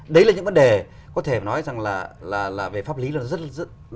đấy là những vấn đề có thể nói rằng là về pháp lý là rất là